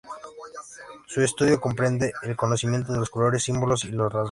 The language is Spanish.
Su estudio comprende el conocimiento de los colores, símbolos y los rasgos.